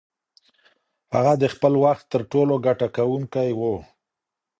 هغه د خپل وخت تر ټولو ګټه کوونکې وه.